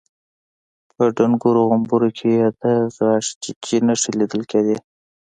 په ډنګرو غومبرو کې يې د غاښچيچي نښې ليدل کېدې.